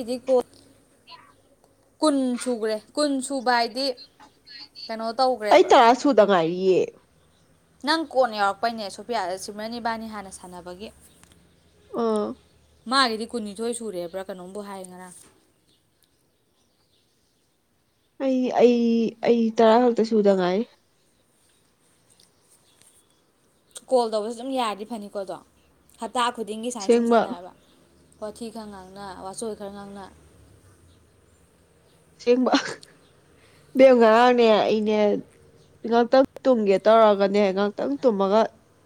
ꯏꯗꯤ ꯀꯣ ꯀꯨꯟ ꯁꯨꯈ꯭ꯔꯦ ꯀꯨꯟ ꯁꯨꯕ ꯍꯥꯏꯗꯤ ꯀꯩꯅꯣ ꯑꯩ ꯇꯧꯒ꯭ꯔꯦꯕ ꯇꯔꯥ ꯁꯨꯗ ꯉꯥꯏꯔꯤꯌꯦ ꯅꯪ ꯀꯣꯟꯅ ꯌꯥꯎꯔꯛꯄꯩꯅꯦ ꯁꯣꯄꯤꯌꯥꯗ ꯁꯤꯃꯔꯟ ꯏꯕꯥꯅꯤ ꯍꯥꯟꯅ ꯁꯥꯟꯅꯕꯒꯤ ꯑꯥ ꯃꯥꯒꯤꯗꯤ ꯀꯨꯟꯅꯤꯊꯣꯏ ꯁꯨꯔꯦꯕ꯭ꯔꯥ ꯀꯩꯅꯣꯝꯕꯨ ꯍꯥꯏ ꯉꯔꯥꯡ ꯑꯩ ꯑꯩ ꯑꯩ ꯇꯔꯥ ꯈꯛꯇ ꯁꯨꯗ ꯉꯥꯏꯔꯤ ꯀꯣꯜ ꯇꯧꯕꯁꯦ ꯑꯗꯨꯝ ꯌꯥꯔꯗꯤ ꯐꯅꯤꯀꯣ ꯑꯗꯣ ꯍꯞꯇꯥ ꯈꯨꯗꯤꯡꯒꯤ ꯁꯥꯏꯅ ꯁꯨꯝ ꯑꯁꯦꯡꯕ ꯁꯥꯟꯅꯔꯕ ꯋꯥꯊꯤ ꯈꯔ ꯉꯥꯡꯅ ꯋꯥꯆꯣꯏ ꯈꯔ ꯉꯥꯡꯅ ꯁꯦꯡꯕ ꯕꯦꯝ ꯉꯔꯥꯡꯅꯦ ꯑꯩꯅꯦ ꯉꯥꯛꯇꯪ ꯇꯨꯝꯒꯦ ꯇꯧꯔꯒꯅꯦ ꯉꯍꯥꯛꯇꯪ ꯇꯨꯝꯃꯒ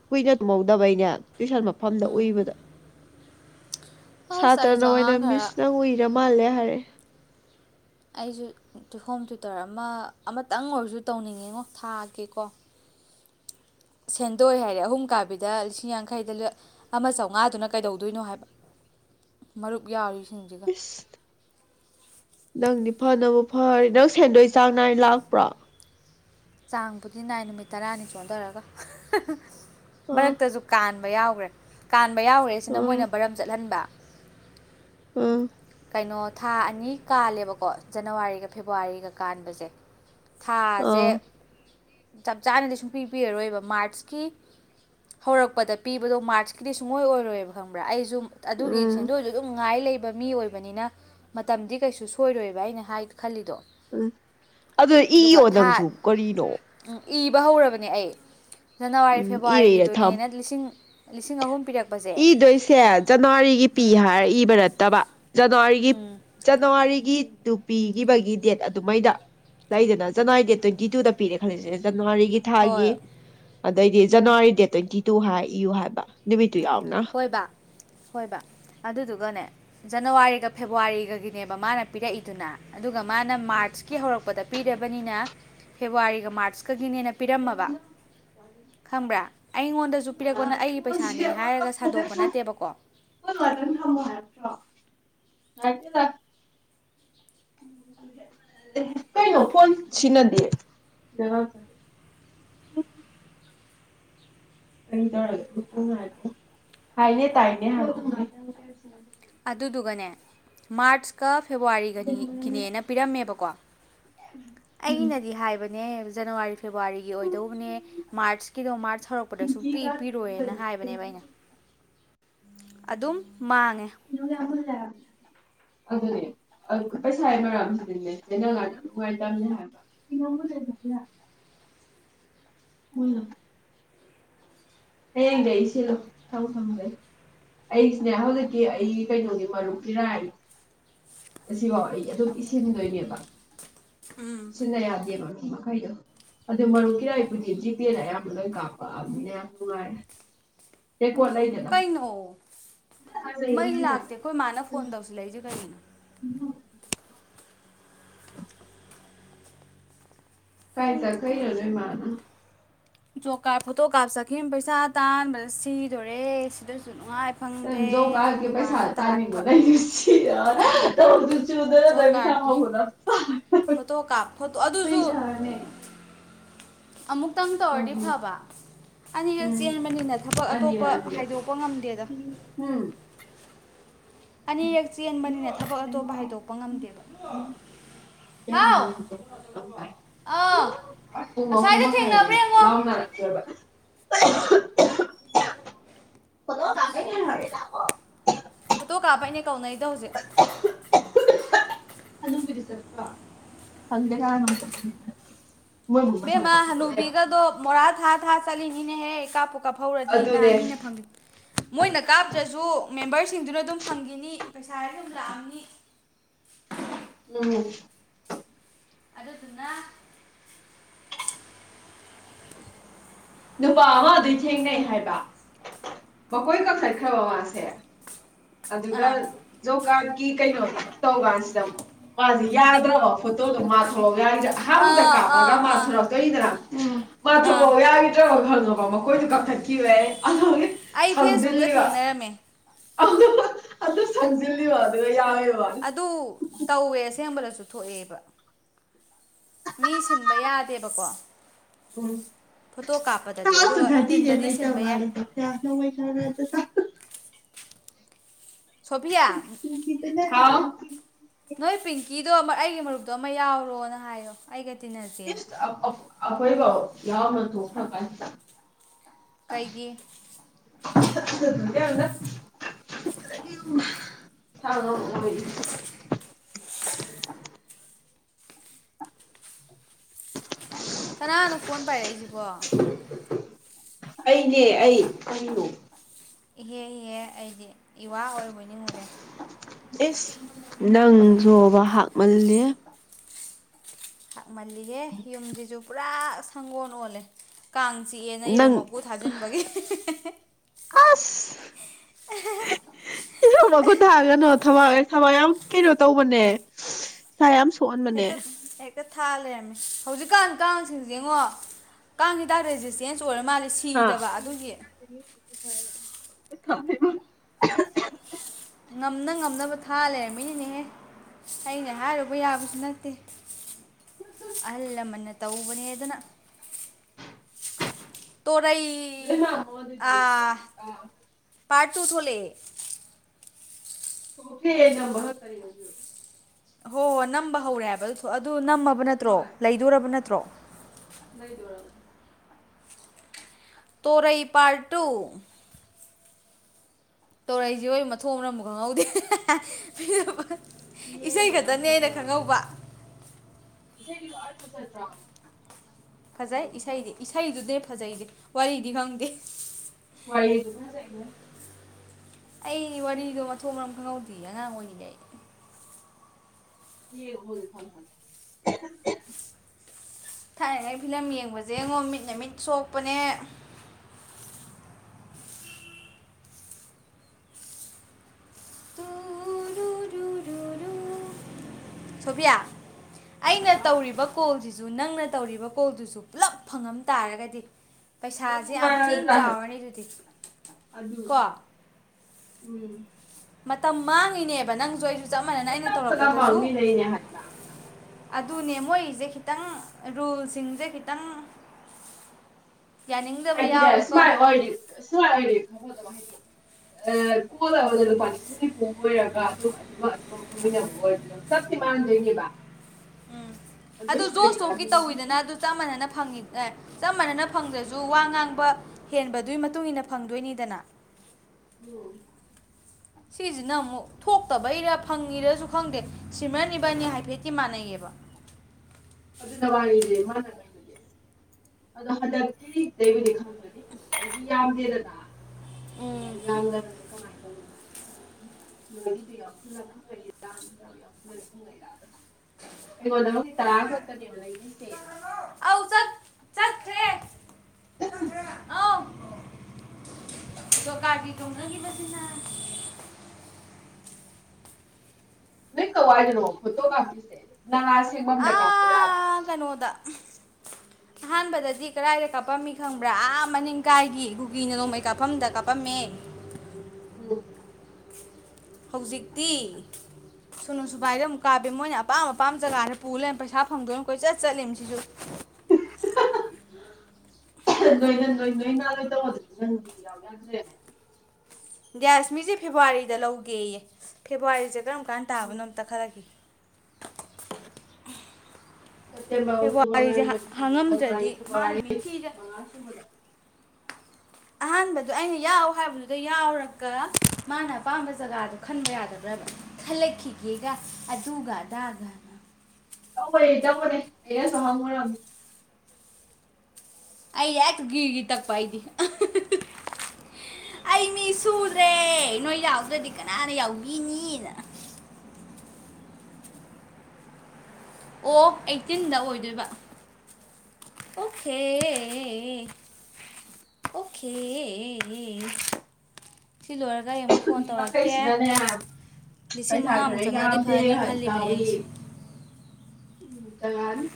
ꯀꯨꯏꯅ ꯇꯨꯝꯍꯧꯗꯕꯩꯅꯦ ꯇꯨꯏꯁꯟ ꯃꯐꯝꯗ ꯎꯏꯕꯗ ꯑꯁ ꯑꯩꯁꯨ ꯁꯥꯇ꯭ꯔꯅ ꯑꯣꯏꯅ ꯑꯉꯥꯡ ꯈꯔ ꯃꯤꯁ ꯅꯪ ꯎꯏꯔ ꯃꯥꯜꯂꯦ ꯐꯔꯦ ꯑꯩꯖꯨ ꯍꯣꯝ ꯇꯌꯨꯇꯔ ꯑꯃ ꯑꯃꯇꯪ ꯑꯣꯏꯔꯖꯨ ꯇꯧꯅꯤꯡꯉꯤꯉꯣ ꯊꯥꯒꯤꯀꯣ ꯁꯦꯟꯗꯣꯏ ꯍꯥꯏꯔꯦ ꯑꯍꯨꯝ ꯀꯥꯕꯤꯗ ꯂꯤꯁꯤꯡ ꯌꯥꯡꯈꯩꯗ ꯑꯃ ꯆꯧꯉꯥꯗꯨꯅ ꯀꯩꯗꯧꯗꯣꯏꯅꯣ ꯍꯥꯏꯕ ꯃꯔꯨꯞ ꯌꯥꯎꯔꯤ ꯏꯁ ꯅꯪꯗꯤ ꯐꯅꯕꯨ ꯐꯔꯤ ꯅꯪ ꯁꯦꯟꯗꯣꯏ ꯆꯥꯡ ꯅꯥꯏ ꯂꯥꯛꯄ꯭ꯔꯣ ꯆꯥꯡꯕꯨꯗꯤ ꯅꯥꯏ ꯅꯨꯃꯤꯠ ꯇꯔꯥꯅꯤ ꯆꯣꯟꯗꯔꯒ ꯑꯥ ꯃꯔꯛꯇꯖꯨ ꯀꯥꯟ ꯕ ꯌꯥꯎꯒ꯭ꯔꯦ ꯀꯥꯟ ꯕꯌꯥꯎꯒ꯭ꯔꯤꯖꯤꯅ ꯑꯥ ꯃꯣꯏꯅ ꯕꯔꯝ ꯆꯠꯍꯟꯕ ꯎꯝ ꯀꯅꯣ ꯊꯥ ꯑꯅꯤ ꯀꯥꯜꯂꯦꯕꯀꯣ ꯖꯅꯋꯥꯔꯤꯒ ꯐꯦꯕꯋꯥꯔꯤꯒ ꯀꯥꯟꯕꯖꯦ ꯊꯥꯖꯦ ꯑꯥ ꯆꯞ ꯆꯥꯅꯗꯤ ꯁꯨꯡ ꯄꯤ ꯄꯤꯔꯔꯣꯏꯕ ꯃꯥꯔꯁꯀꯤ ꯍꯧꯔꯛꯄꯗ ꯄꯤꯕꯗꯣ ꯃꯥꯔꯁꯀꯤꯗꯤ ꯁꯨꯡꯑꯣꯏ ꯑꯣꯏꯔꯣꯏꯌꯦꯕ ꯈꯪꯕ꯭ꯔꯥ ꯑꯩꯖꯨ ꯑꯗꯨꯒꯤ ꯎꯝ ꯁꯦꯟꯗꯣꯏꯗꯨ ꯑꯗꯨꯝ ꯉꯥꯏ ꯂꯩ ꯕ ꯃꯤ ꯑꯣꯏ ꯑꯣꯏꯕꯅꯤꯅ ꯃꯇꯝꯗꯤ ꯀꯩꯁꯨ ꯁꯣꯏꯔꯣꯏꯕ ꯑꯩꯅ ꯍꯥꯏꯒꯦ ꯈꯜꯂꯤꯗꯣ ꯎꯝ ꯑꯗꯨ ꯑꯗꯨꯒ ꯏꯌꯣ ꯊꯥ ꯅꯪꯖꯨ ꯀꯔꯤꯅꯣ ꯏꯕ ꯍꯧꯔꯕꯅꯦ ꯑꯩ ꯖꯅꯋꯥꯔꯤ ꯎꯝ ꯏꯔ ꯏꯔ ꯊꯝ ꯐꯦꯕꯋꯥꯔꯤꯒꯤꯗꯨꯅꯦꯅ ꯂꯤꯁꯤꯡ ꯂꯤꯁꯤꯡ ꯑꯍꯨꯝ ꯄꯤꯔꯛꯄꯁꯦ ꯏꯗꯣꯏꯁꯦ ꯖꯅꯋꯥꯔꯤꯒꯤ ꯄꯤ ꯎꯝ ꯍꯥꯏꯔ ꯏꯕ ꯅꯠꯇꯕ ꯖꯅꯋꯥꯔꯤꯒꯤ ꯎꯝ ꯖꯅꯋꯥꯔꯤꯒꯤ ꯇꯨ ꯄꯤꯒꯤꯕꯒꯤ ꯗꯦꯠ ꯑꯗꯨꯃꯥꯏꯅ ꯂꯩꯗꯅ ꯖꯅꯋꯥꯔꯤ ꯗꯦꯠ ꯇ꯭ꯋꯦꯟꯇꯤ ꯇꯨꯗ ꯄꯤꯔꯦ ꯈꯪꯜꯂꯖꯤꯅꯦ ꯖꯅꯋꯥꯔꯤꯒꯤ ꯊꯥꯒꯤ ꯍꯣꯏ ꯑ ꯗꯩꯗꯤ ꯖꯅꯋꯥꯔꯤ ꯗꯦꯠ ꯇ꯭ꯋꯦꯟꯇꯤ ꯇꯨ ꯍꯥꯏ ꯏꯌꯨ ꯍꯥꯏꯕ ꯅꯨꯃꯤꯠ ꯍꯣꯏꯕ ꯍꯣꯏꯕ ꯑꯗꯨꯗꯨꯒꯅꯦ ꯖꯅꯋꯥꯔꯤꯒ ꯐꯦꯕꯋꯥꯔꯤꯒꯒꯤꯅꯦꯕ ꯃꯥꯅ ꯄꯤꯔꯛꯏꯗꯨꯅ ꯑꯗꯨꯒ ꯃꯥꯅ ꯃꯥꯔꯁꯀꯤ ꯍꯧꯔꯛꯄꯗ ꯄꯤꯔ ꯏꯕꯅꯤꯅ ꯐꯦꯕꯋꯥꯔꯤꯒ ꯃꯥꯔꯆꯀꯒꯤꯅꯦꯅ ꯄꯤꯔꯝꯃꯕ ꯈꯪꯕ꯭ꯔꯥ ꯑꯩꯉꯣꯟꯗꯖꯨ ꯄꯤꯔꯛꯄꯅ ꯑꯩꯒꯤ ꯄꯩꯁꯥꯅꯦ ꯍꯥꯏꯔꯒ ꯐꯖꯅ ꯁꯥꯗꯣꯛꯄ ꯁꯥ ꯅꯠꯇꯦꯕꯀꯣ ꯍꯣꯜ ꯉꯥꯛꯇꯪ ꯊꯝꯃꯣ ꯍꯥꯏꯕ [unintelligible] ꯀꯩꯅꯣ ꯐꯣꯟ ꯁꯤꯅꯗꯦ [unintelligible] ꯍꯥꯏꯅꯦ ꯇꯥꯏꯅꯦ ꯍꯥꯏ ꯑꯗꯨꯗꯨꯒꯅꯦ ꯃꯥꯔꯁꯀ ꯐꯦꯕꯋꯥꯔꯤꯒꯅꯤ ꯒꯤꯅꯦꯅ ꯄꯤꯔꯝꯃꯦꯕꯀꯣ ꯑꯩꯅꯗꯤ ꯍꯥꯏꯕ ꯅꯦ ꯖꯅꯋꯥꯔꯤ ꯐꯦꯕꯋꯥꯔꯤꯒꯤ ꯑꯣꯏꯗꯧꯕꯅꯦ ꯃꯥꯔꯁꯀꯤꯗꯣ ꯃꯥꯔꯁ ꯍꯧꯔꯛꯄꯗ ꯁꯨꯡ ꯄꯤ ꯄꯤꯔꯣꯏꯅ ꯍꯥꯏꯕꯅꯦꯕ ꯑꯩꯅ ꯑꯗꯨꯝ ꯃꯥꯡꯉꯦ ꯑꯗꯨꯅꯦ ꯑꯗꯨ ꯄꯩꯁꯥ ꯃꯔꯝꯁꯤꯗꯤꯅꯦ ꯆꯦꯅꯉꯥꯏ ꯅꯨꯡꯉꯥꯏꯇꯅꯦ ꯇꯝꯅꯦ ꯍꯥꯏꯕ [unintelligible] ꯍꯌꯦꯡꯗꯤ ꯑꯩ ꯁꯤꯜꯂꯨ ꯊꯕꯛ ꯁꯪꯗꯦ ꯑꯩꯁꯨꯅꯦ ꯍꯧꯖꯤꯛꯀꯤ ꯑꯩ ꯀꯩꯅꯣꯒꯤ ꯃꯔꯨꯞ ꯏꯔꯥꯏ ꯑꯁꯤꯕꯥꯎ ꯑꯩ ꯑꯗꯨꯝ ꯏꯁꯤꯟꯗꯣꯏꯅꯦꯕ ꯁꯤꯟꯅ ꯌꯥꯗꯦꯕ ꯃꯈꯩꯗꯣ ꯑꯗ ꯃꯔꯨꯞ ꯀꯤ ꯔꯥꯏ ꯄꯨꯖꯤ ꯄꯦ ꯑꯌꯥꯝꯕ ꯂꯣꯏ ꯀꯥꯄꯑꯝꯅꯤꯅ ꯌꯥꯝ ꯅꯨꯉꯥꯏꯔꯦ ꯀꯩꯅꯣ ꯃꯩ ꯂꯥꯛꯇꯦ ꯈꯣꯏ ꯃꯥꯅ ꯐꯣꯟ ꯇꯧꯁꯤꯜꯂꯛꯏꯖꯦ ꯀꯩꯒꯤꯅꯣ ꯎꯝ ꯀꯥꯏꯗ ꯀꯩꯅꯣ ꯅꯣꯏ ꯃꯥ ꯎꯝ ꯖꯣꯕ ꯀꯥꯗ ꯐꯣꯇꯣ ꯀꯥꯞ ꯆꯠꯈꯤꯝ ꯄꯩꯁꯥ ꯇꯥꯟꯕꯗ ꯁꯤꯗꯣꯔꯦ ꯁꯤꯗꯖꯨ ꯅꯨꯡꯉꯥꯏ ꯐꯪꯗꯦ ꯖꯣꯕ ꯃꯤꯋꯥꯅ ꯇꯥꯔꯤꯕ [unintelligible] ꯆꯨꯗꯅ ꯖꯣꯕ ꯀꯥꯔꯗꯀꯤ ꯐꯣꯇꯣ ꯀꯥꯞ ꯐꯣꯇꯣ [unintelligible] ꯑꯗꯨꯁꯨ ꯄꯩꯁꯅꯦ ꯑꯃꯨꯛꯇꯪ ꯇꯧꯔꯗꯤ ꯐꯕ ꯑꯅꯤꯔꯛ ꯆꯦꯟꯕꯅꯤꯅ ꯊꯕꯛ ꯑꯅꯤꯔ ꯑꯇꯣꯞꯄ ꯑꯅꯤꯔ ꯍꯥꯏꯗꯣꯛꯄ ꯉꯝꯗꯦꯗ ꯎꯝ ꯑꯅꯤꯔꯛ ꯆꯦꯟꯕꯅꯤꯅ ꯊꯕꯛ ꯑꯇꯣꯞꯄ ꯍꯥꯏꯗꯣꯛꯄ ꯉꯝꯗꯦꯕ ꯍꯥꯎ ꯆꯥꯏ ꯑ [unintelligible] ꯄꯨꯡ ꯑꯁ꯭ꯋꯥꯏꯗ ꯑꯍꯨꯝꯃꯈꯥꯏꯗꯅꯦ ꯊꯦꯡꯅꯕ꯭ꯔ ꯌꯦꯡꯉꯣ ꯂꯥꯎꯅꯔꯛꯇꯣꯏꯕ [inaudible] ꯅ ꯍꯣꯔꯦꯟ ꯂꯥꯛꯑꯣ ꯐꯣꯇꯣ ꯀꯥꯞꯄꯩꯅꯦ ꯀꯧꯅꯩꯗꯣ ꯍꯧꯖꯤꯛ ꯍꯅꯨꯕꯤꯗꯤ ꯈꯪꯗꯦ ꯀꯅꯥꯅꯣꯝꯇ ꯏꯕꯦꯝꯃ ꯍꯅꯨꯕꯤꯒꯗꯣ ꯃꯣꯔꯥ ꯊꯥ ꯊꯥ ꯆꯠꯂꯤꯅꯤꯅꯦ ꯍꯦ ꯀꯥꯞꯄꯨ ꯀꯥꯞꯐꯧꯔꯗꯤꯅ ꯑꯗꯨꯅꯦ ꯃꯤꯅ ꯐꯪꯒꯤ ꯃꯣꯏꯅ ꯀꯥꯞꯇ꯭ꯔꯖꯨ ꯃꯦꯝꯕꯔꯁꯤꯡꯗꯨꯅ ꯑꯗꯨꯝ ꯐꯪꯒꯤꯅꯤ ꯄꯩꯁꯥ ꯑꯗꯨꯝ ꯂꯥꯛꯑꯝꯅꯤ ꯎꯝ ꯑꯗꯨꯗꯨꯅ ꯅꯨꯄꯥ ꯑꯃ ꯑꯗꯨꯏ ꯊꯦꯡꯅꯩ ꯍꯥꯏꯕ ꯃꯈꯣꯏ ꯀꯛꯊꯠꯈ꯭ꯔꯕ ꯃꯥꯁꯦ ꯑꯗꯨꯒ ꯑꯥ ꯖꯣꯕ ꯀꯥꯔꯠꯀꯤ ꯀꯩꯅꯣ ꯇꯧ ꯀꯥꯟꯁꯤꯗ ꯃꯥꯖꯦ ꯌꯥꯗ꯭ꯔꯕ ꯐꯣꯇꯣꯗꯣ ꯃꯥ ꯊꯣꯂ ꯑꯍꯥꯟꯕꯗ ꯑꯥ ꯑꯥ ꯀꯥꯞꯄꯒ ꯑꯥ ꯃꯥꯊꯣꯔꯛꯇꯣꯏꯅꯤꯗꯅ ꯃꯥ ꯑꯥ ꯊꯣꯔꯛꯑꯣ ꯌꯥꯒꯤ [unintelligible] ꯑꯩ ꯐꯦꯁꯕꯨꯛꯇ ꯊꯦꯡꯅꯔꯝꯃꯦ [unintelligible] ꯑꯗꯨ ꯇꯧꯋꯦ ꯁꯦꯡꯕꯗꯁꯨ ꯊꯣꯛꯑꯦꯕ ꯃꯤ ꯁꯤꯟꯕ ꯌꯥꯗꯦꯕꯀꯣ ꯎꯝ ꯐꯣꯇꯣ ꯀꯥꯞꯄꯗꯗꯤ ꯑꯗꯨꯒ ꯅꯨꯡꯊꯤꯟꯗꯗꯤ ꯁꯤꯟꯕ ꯌꯥꯏ [unintelligible] ꯁꯣꯐꯤꯌꯥ ꯆꯥꯛꯆꯥ ꯍꯥꯎ ꯅꯣꯏ ꯄꯤꯡꯀꯤꯗꯣ ꯃ ꯑꯩꯒꯤ ꯃꯔꯨꯞꯇꯣ ꯑꯃ ꯌꯥꯎꯔꯣꯅ ꯍꯥꯏꯌꯣ ꯑꯩꯒ ꯇꯤꯅꯖꯦꯅ ꯍꯣꯏꯕ ꯌꯥꯎꯅ ꯊꯣꯈ꯭ꯔꯀꯥꯏꯁꯤꯗ ꯀꯩꯒꯤ [unintelligible] ꯀꯅꯥꯅꯣ ꯐꯣꯟ ꯄꯥꯏꯔꯛꯏꯖꯦ ꯋꯥ ꯑꯩꯅꯦ ꯑꯩ ꯀꯩꯅꯣ ꯏꯍꯦ ꯍꯦ ꯑꯩꯗꯤ ꯏꯋꯥ ꯑꯣꯏꯔꯕꯣꯏ ꯅꯉꯨꯔꯦ ꯅꯪꯖꯨꯕ ꯍꯥꯞꯃꯜꯂꯦ ꯃꯜꯂꯤꯍꯦ ꯌꯨꯝꯖꯤꯖꯨ ꯄꯨꯔꯥ ꯁꯪꯒꯣꯟ ꯑꯣꯜꯂꯦ ꯀꯥꯡ ꯆꯤꯛꯑꯦꯅ ꯌꯦꯔꯨꯝ ꯅꯪ ꯃꯀꯨ ꯊꯥꯖꯤꯟꯕꯒꯤ ꯑꯁ ꯏꯔꯣꯕ ꯈꯨꯊꯒꯅꯣ ꯊꯕ ꯊꯝꯃ ꯌꯥꯝ ꯀꯩꯅꯣ ꯇꯧꯕꯅꯦ ꯁ ꯌꯥꯝ ꯁꯣꯛꯍꯟꯕꯅꯦ ꯍꯦꯀ ꯍꯦꯛ ꯊꯥ ꯂꯩꯔꯃꯤ ꯍꯧꯖꯤꯀꯥꯟ ꯀꯥꯡꯁꯤꯡꯁꯦꯉꯣ ꯀꯥꯡ ꯍꯤꯗꯥꯛ ꯔꯦꯖꯤꯁꯇꯦꯟꯁ ꯑꯣꯏꯔ ꯃꯥꯜꯂꯦ ꯍꯥ ꯁꯤꯗꯕ ꯑꯗꯨꯒꯤ [unintelligible] ꯉꯝꯅ ꯉꯝꯅꯕ ꯊꯥ ꯂꯩꯔꯝꯃꯤꯅꯤꯅꯦꯍꯦ ꯑꯩꯅ ꯍꯥꯏꯔꯨꯕ ꯌꯥꯕꯁꯨ ꯅꯠꯇꯦ ꯑꯍꯜ ꯂꯃꯟꯅ ꯇꯧꯕꯅꯦꯗꯅ ꯇꯣꯔꯩ [unintelligible] ꯄꯥꯔ ꯇꯨ ꯊꯣꯂꯦ [unintelligible] ꯍꯣꯏ ꯍꯣꯏ ꯅꯝꯕ ꯍꯧꯔꯦ ꯍꯥꯏꯕ ꯇꯣ ꯑꯗꯨ ꯅꯝꯃꯕ ꯅꯠꯇ꯭ꯔꯣ ꯍꯣꯏ ꯂꯩꯗꯣꯔꯕ ꯅꯠꯇ꯭ꯔꯣ ꯂꯩꯗꯣꯔꯕꯅꯦ ꯇꯣꯔꯩ ꯄꯥꯔꯠꯇꯨ ꯇꯧꯔꯛꯏꯁꯦ ꯍ ꯃꯊꯣꯡ ꯃꯔꯝ ꯑꯝꯕꯨ ꯈꯪꯍꯧꯗꯦ ꯏꯁꯩ ꯈꯛꯇꯅꯦ ꯑꯩꯅ ꯈꯪꯍꯧꯕ [inaudible] [inaudible] ꯐꯖꯩ ꯏꯁꯩꯗꯤ ꯏꯁꯩꯗꯨꯅꯦ ꯐꯖꯩꯖꯦ ꯋꯥꯔꯤꯗꯤ ꯈꯪꯗꯦ [inaudible] ꯑꯩ ꯋꯥꯔꯤꯗꯣ ꯃꯊꯣꯡ ꯃꯔꯝ ꯈꯪꯍꯧꯗꯤꯌꯦ ꯑꯉꯥꯡ ꯑꯣꯏꯔꯤꯉꯩ [inaudible] ꯊꯥꯏꯅꯉꯩ ꯐꯤꯂꯝ ꯌꯦꯡꯕꯁꯦ ꯉꯣ ꯃꯤꯠꯅ ꯃꯤꯠ ꯁꯣꯛꯄꯅꯦ [unintelligible] ꯁꯣꯐꯤꯌꯥ ꯑꯩꯅ ꯍꯥꯎ ꯇꯧꯔꯤꯕ ꯀꯣꯜꯁꯤꯁꯦ ꯑꯗꯨ ꯅꯪꯅ ꯇꯧꯔꯤꯕ ꯀꯣꯜꯗꯨꯁꯨ ꯄꯨꯂꯞ ꯐꯪꯉꯝ ꯇꯥꯔꯒꯗꯤ ꯄꯩꯁꯥꯁꯦ ꯌꯥꯝ ꯊꯤꯅ ꯅꯨꯡꯉꯥꯏꯔꯣꯏꯗ꯭ꯔꯥ ꯍꯥꯏꯕ ꯆꯥꯎꯔꯅꯤ ꯑꯗꯨꯗꯤ ꯀꯣ ꯑꯗꯨꯅꯦ ꯎꯝ ꯃꯇꯝ ꯃꯥꯡꯉꯤꯅꯦꯕ ꯅꯪꯁꯨ ꯑꯩꯖꯨ ꯆꯞ ꯃꯥꯟꯅꯅ ꯑꯩꯅ ꯄꯇꯞ ꯄꯇꯞ ꯇꯧꯔꯛꯄꯗꯁꯨ ꯃꯥꯡꯃꯤꯟꯅꯩꯅꯦ ꯍꯥꯏꯕ ꯑꯗꯨꯅꯦ ꯃꯣꯏꯁꯦ ꯈꯤꯇꯪ ꯔꯨꯜꯁꯤꯡꯁꯦ ꯈꯤꯇꯪ [unintelligible] [unintelligible] ꯎꯝ ꯑꯗꯨ ꯑꯗꯨꯏꯁꯨ ꯂꯩꯗꯅ ꯖꯣꯁꯇꯣꯛꯀꯤ ꯃꯤꯒꯤ ꯇꯧꯋꯤꯗꯅ ꯑꯗꯨ ꯆꯞ ꯃꯥꯟꯅꯅ ꯐꯪꯉꯤ ꯑꯦ ꯆꯞ ꯃꯥꯟꯅꯅ ꯐꯪꯗ꯭ꯔꯁꯨ ꯋꯥ ꯉꯥꯡꯕ ꯍꯦꯟꯕꯗꯨꯒꯤ ꯃꯇꯨꯡ ꯏꯟꯅ ꯐꯪꯗꯣꯏꯅꯤꯗꯅ [inaudible] ꯁꯤꯖꯤꯅ ꯑꯃꯨꯛ ꯊꯣꯛꯇꯕꯩꯔ ꯐꯪꯉꯤꯔꯁꯨ ꯈꯪꯗꯦ ꯁꯤꯃ꯭ꯔꯟ ꯏꯕꯥꯅꯤ ꯍꯥꯏꯐꯦꯠꯇꯤ ꯃꯥꯟꯅꯩꯌꯦꯕ [unintelligible] [inaudible] [inaudible] [inaudible] [inaudible] [unintelligible] ꯑꯥ ꯀꯩꯅꯣꯗ [unintelligible] ꯑꯍꯥꯟꯕꯗꯗꯤ ꯀꯗꯥꯏꯗ ꯀꯥꯞꯄꯝꯃꯤ ꯈꯪꯕ꯭ꯔꯥ ꯑꯥ ꯃꯅꯤꯡ ꯀꯥꯏꯒꯤ ꯀꯨꯀꯤꯅꯒ ꯅꯣꯡꯃꯩ ꯀꯥꯞꯐꯝꯗ ꯀꯥꯞꯄꯝꯃꯦ [inaudible] ꯍꯧꯖꯤꯛꯇꯤ ꯁꯨꯅꯨ ꯁꯨꯕꯥꯥꯏꯗ ꯑꯃꯨꯛ ꯀꯥꯞꯦ ꯃꯣꯏꯅ ꯑꯄꯥꯝ ꯑꯄꯥꯝꯕ ꯖꯒꯥꯗ ꯄꯨ ꯂꯩ ꯄꯩꯁꯥ ꯐꯪꯗꯣꯏꯅ ꯀꯣꯏ ꯆꯠ ꯆꯠꯂꯤꯃꯤ ꯁꯤꯖꯨ ꯅꯣꯏꯒꯤ ꯅꯣꯏ ꯅꯣꯏꯃꯒꯥ ꯇꯧꯕꯗꯣ ꯅꯪꯗꯤ ꯌꯥꯑꯣꯔꯝꯗꯔ꯭ꯦ ꯒ꯭ꯌꯥꯁ ꯃꯤꯖꯦ ꯐꯦꯕꯋꯥꯔꯤꯗ ꯂꯧꯒꯦꯌꯦ ꯐꯦꯕꯋꯥꯔꯤꯁꯦ ꯀꯔꯝ ꯀꯥꯟ ꯇꯥꯕꯅꯣ ꯑꯝꯇ ꯈꯂꯛꯈꯤꯒꯦ ꯁꯦꯞꯇꯦꯝꯕꯔ ꯑꯣꯇꯣꯕꯥꯔ ꯐꯦꯕꯋꯥꯔꯤꯁꯦ ꯅꯣꯚꯦꯝꯕꯔ ꯗꯤꯁꯦꯝꯕꯔ ꯖꯅꯨꯋꯔꯤ ꯍꯥꯡꯉꯝꯗ꯭ꯔꯗꯤ ꯃꯥꯅ ꯒꯦꯕꯨꯋꯔꯤ ꯃꯤꯊꯤꯗ ꯃꯉꯥ ꯁꯨꯕꯗꯥ ꯑꯍꯥꯟꯕꯗꯣ ꯑꯩꯅ ꯌꯥꯎ ꯍꯥꯏꯕꯗꯨꯗ ꯌꯥꯎꯔꯒ ꯃꯥꯅ ꯑꯄꯥꯝꯕ ꯖꯒꯥꯗꯣ ꯈꯟꯕ ꯌꯥꯗꯕ꯭ꯔꯕ ꯈꯜꯂꯛꯈꯤꯒꯦꯒ ꯑꯗꯨꯒ ꯑꯗꯥꯒꯅ ꯇꯧꯕꯅꯤ ꯇꯧꯕꯅꯤ ꯆꯦꯍꯟ ꯁꯨ ꯍꯪꯂꯨꯔꯕꯅꯤ ꯑꯩ ꯍꯦꯛ ꯒꯤꯔꯒꯤ ꯇꯛꯄ ꯑꯩꯗꯤ ꯍꯥ ꯍꯥ ꯍꯥ ꯑꯩ ꯃꯤ ꯁꯨꯗ꯭ꯔꯦ ꯅꯣꯏ ꯌꯥꯎꯗ꯭ꯔꯗꯤ ꯀꯅꯥꯅ ꯌꯥꯎꯕꯤꯅꯤꯅ ꯑꯣ ꯑꯩꯇꯤꯟꯗ ꯑꯣꯏꯗꯣꯏꯕ ꯑꯣꯈꯦ ꯑꯣꯈꯦ ꯁꯤ ꯂꯣꯏꯔ ꯃꯤ ꯃꯈꯩꯁꯤꯅꯅꯦ ꯂꯤꯁꯤꯡ ꯄꯩꯁꯥ ꯈꯔ ꯃꯉꯥꯃꯨꯛ ꯆꯪꯉꯛꯑꯗꯤ ꯌꯥꯝꯗꯦ ꯐꯅꯤ ꯍꯥꯏꯕꯁꯨ ꯈꯜꯂꯤꯕꯅꯦ ꯌꯥꯎꯋꯤ ꯑꯩꯁꯦ ꯎꯝ ꯆꯪ ꯂꯛ ꯑꯅꯤ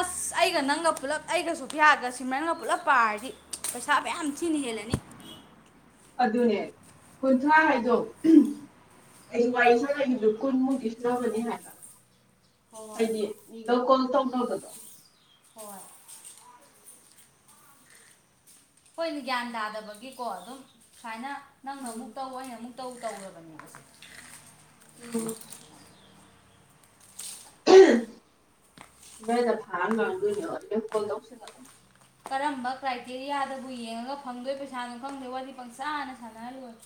ꯑꯁ ꯑꯩꯒ ꯅꯪꯒ ꯄꯨꯂꯞ ꯑꯩꯒ ꯁꯣꯐꯤꯌꯥꯒ ꯁꯤꯝꯔꯟꯒ ꯄꯨꯜꯂꯞ ꯄꯥꯔꯗꯤ ꯄꯩꯁꯥ ꯃꯌꯥꯝ ꯊꯤꯅ ꯍꯦꯜꯂꯅꯤ ꯑꯗꯨꯅꯦ ꯀꯨꯟꯊ꯭ꯔꯥ ꯍꯥꯏꯗꯣ ꯑꯩꯁꯨ ꯋꯥꯔꯤ ꯁꯥꯅꯏꯗꯨ ꯀꯨꯟꯃꯨꯛꯇꯤ ꯁꯨ ꯂꯧꯒꯅꯤ ꯍꯥꯏꯕ ꯍꯣꯏ ꯍꯥꯏꯗꯤ ꯂꯧ ꯀꯣꯟ ꯇꯧꯅꯕꯗꯣ ꯍꯣꯏ ꯍꯣꯏꯅꯦ ꯒ꯭ꯌꯥꯟ ꯇꯥꯗꯕꯒꯤꯀꯣ ꯑꯗꯨꯝ ꯁꯥꯏꯅ ꯅꯪ ꯅ ꯃꯨꯛ ꯇꯧ ꯑꯩꯅ ꯃꯨꯛ ꯇꯧ ꯇꯧꯔꯕꯅꯦꯕꯁꯦ ꯎꯝ ꯏꯝ ꯃꯣꯏꯅ ꯄꯨꯉꯡ ꯉꯡꯗꯣꯏꯅꯤꯕꯥ ꯑꯗꯨꯗ ꯀꯣꯜ ꯇꯧꯁꯤꯜꯂꯒ ꯀꯔꯝꯕ ꯀ꯭ꯔꯥꯏꯇꯦꯔꯤꯌꯥꯗꯕꯨ ꯌꯦꯡꯉꯒ ꯐꯪꯗꯣꯏ ꯄꯩꯁꯥꯅꯣ ꯈꯪꯗꯦ ꯋꯥꯔꯤ ꯄꯪꯁꯥꯟꯗ ꯁꯥꯟꯅ ꯂꯣꯏꯔꯦ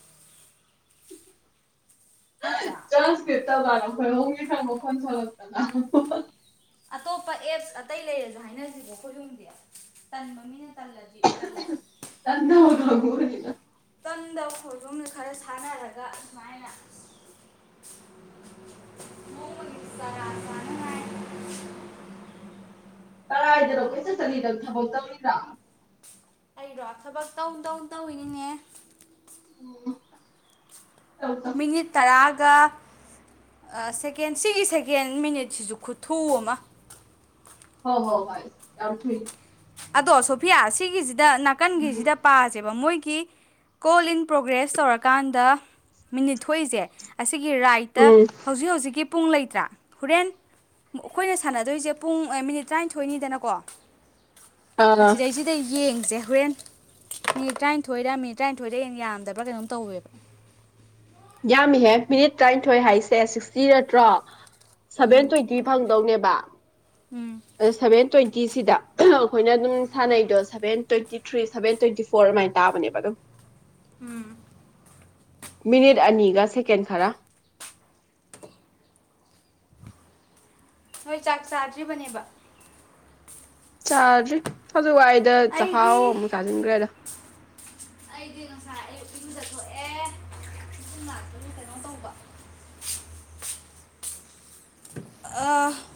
ꯅꯠꯇ꯭ꯔꯥ [unintelligible] [unintelligible] ꯑꯇꯣꯞꯄ ꯑꯦꯞꯁ ꯑꯇꯩ ꯂꯩꯔꯖꯨ ꯍꯥꯏꯅꯖꯤ ꯈꯣꯏ ꯍꯨꯝꯗꯤ ꯇꯟꯕ ꯃꯤꯅ ꯇꯜꯂꯗꯤ ꯇꯜꯂꯁꯨ [unintelligible] ꯇꯟꯗꯕ ꯈꯣꯏꯍꯨꯝꯅ ꯈꯔ ꯁꯥꯟꯅꯔꯒ ꯁꯨꯃꯥꯏꯅ ꯅꯣꯡꯃꯒꯤ ꯆꯔꯥ ꯆꯥꯅꯉꯥꯏ ꯀꯔꯥꯏꯗꯅꯣ ꯂꯧꯔꯒ ꯀꯣꯏꯆꯠ ꯂꯣꯏꯔꯦ ꯆꯠꯂꯤꯗꯣ ꯊꯕꯛ ꯇꯧꯔꯤ [unintelligible] ꯑꯩꯔꯣ ꯊꯕꯛ ꯇꯧ ꯇꯧꯅ ꯇꯧꯏꯅꯤꯅꯦ ꯇꯧ ꯇꯧ ꯃꯤꯅꯤꯠ ꯇꯔꯥ ꯒ ꯑ ꯁꯦꯀꯦꯟ ꯁꯤꯒꯤ ꯁꯦꯀꯦꯟ ꯃꯤꯅꯤꯠꯁꯤꯁꯨ ꯈꯨꯠꯊꯨ ꯑꯃ ꯍꯣꯍꯣ ꯍꯣꯏ ꯌꯥꯝ ꯊꯨꯏ ꯑꯗꯣ ꯁꯣꯐꯤꯌꯥ ꯁꯤꯒꯤꯖꯤ ꯗ ꯅꯥꯀꯟꯒꯤꯁꯤꯗ ꯄꯥꯖꯦꯕ ꯃꯣꯏꯒꯤ ꯀꯣꯜ ꯏꯟ ꯄ꯭ꯔꯣꯒ꯭ꯔꯦꯁ ꯇꯧꯔꯀꯥꯟꯗ ꯃꯤꯅꯤꯠ ꯊꯣꯛꯏꯖꯦ ꯑꯁ ꯒꯤ ꯔꯥꯏꯠꯇ ꯎꯝ ꯍꯧꯖꯤꯛ ꯍꯧꯖꯤꯛꯀꯤ ꯄꯨꯡ ꯂꯩꯇ꯭ꯔꯥ ꯍꯨꯔꯦꯟ ꯑꯈꯣꯏꯅ ꯁꯥꯟꯅꯗꯣꯏꯖꯦ ꯄꯨꯡ ꯃꯤꯅꯤꯠ ꯇ꯭ꯔꯥꯏꯟꯊꯣꯏꯅꯤꯗꯅꯀꯣ ꯑꯥ ꯑꯁꯤꯗꯩꯖꯤꯗ ꯌꯦꯡꯖꯦ ꯍꯣꯔꯦꯟ ꯃꯤꯅꯤꯠ ꯇꯔꯥꯏꯟꯊꯣꯏꯗ ꯃꯤꯅꯤꯠ ꯇꯔꯥꯏꯟꯊꯣꯏꯗ ꯍꯣꯏꯗꯩ ꯌꯥꯝꯗꯕ꯭ꯔꯥ ꯀꯩꯅꯣꯝ ꯇꯧꯋꯦꯕ ꯌꯥꯝꯃꯤꯍꯦ ꯃꯤꯅꯤꯠ ꯇꯔꯥꯏꯟꯊꯣꯏ ꯍꯥꯏꯁꯦ ꯁꯤꯛꯁꯇꯤ ꯅꯠꯇ꯭ꯔꯣ ꯁꯚꯦꯟ ꯎꯝ ꯇ꯭ꯋꯦꯟꯇꯤ ꯐꯪꯗꯧꯅꯦꯕ ꯎꯝ ꯁ ꯁꯚꯦꯟꯇ꯭ꯋꯦꯟ [unintelligible] ꯇꯤꯁꯤꯗ ꯑꯩꯈꯣꯏꯅ ꯑꯗꯨꯝ ꯁꯥꯟꯅꯩꯗꯣ seven twenty three seven twenty four ꯑꯗꯨꯃꯥꯏꯅ ꯇꯥꯕꯅꯦꯕ ꯑꯗꯨꯝ ꯎꯝ ꯃꯤꯅꯤꯠ ꯑꯅꯤꯒ ꯁꯦꯀꯦꯟ ꯈꯔ ꯅꯣꯏ ꯆꯥꯛ ꯆꯥꯗ꯭ꯔꯤꯕꯅꯦꯕ ꯆꯥꯗ꯭ꯔꯤ ꯋꯥꯏꯗ ꯆꯥꯍꯥꯎ ꯑꯩꯗꯤ ꯑꯃꯨꯛ ꯆꯥꯖꯤꯟꯒ꯭ꯔꯦꯗ ꯏꯔꯨꯖ ꯊꯣꯛꯑꯦ ꯏꯁꯤꯡ ꯂꯥꯛꯄꯒꯤ ꯀꯩꯅꯣ ꯇꯧꯕ ꯑ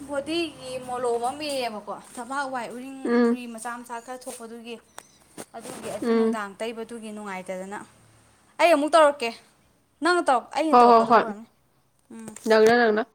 ꯕꯣꯗꯤꯒꯤ ꯃꯣꯂꯣꯝ ꯑꯃ ꯏꯑꯦꯕꯀꯣ ꯊꯕꯥꯛ ꯋꯥꯏ ꯎꯔꯤꯡ ꯐꯨꯔꯤ ꯃꯆꯥ ꯃꯆꯥ ꯀꯥꯏꯊꯣꯛꯄꯗꯨꯒꯤ ꯑꯗꯨꯒꯤ ꯑꯗꯨ ꯅꯨꯡꯗꯥꯡ ꯇꯩꯕ ꯑꯗꯨꯒꯤ ꯅꯨꯡꯉꯥꯏꯇꯗꯅ ꯑꯩ ꯑꯃꯨꯛ ꯇꯧꯔꯛꯀꯦ ꯅꯪꯅ ꯇꯧꯔꯛ ꯑꯩꯅ ꯇꯧꯔꯛꯀꯗꯧꯕ ꯑꯣꯏꯔꯝꯅꯤ ꯎꯝ